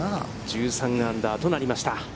１３アンダーとなりました。